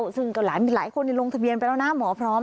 ซึ่งหลายคนลงทะเบียนไปแล้วนะหมอพร้อม